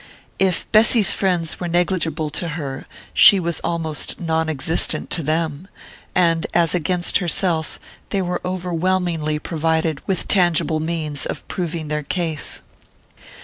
If Bessy's friends were negligible to her she was almost non existent to them; and, as against herself, they were overwhelmingly provided with tangible means of proving their case.